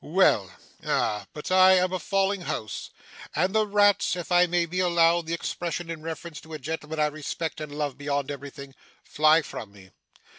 Well! Ah! But I am a falling house, and the rats (if I may be allowed the expression in reference to a gentleman I respect and love beyond everything) fly from me!